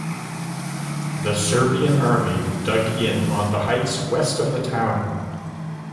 The Serbian army dug in on the heights west of the town.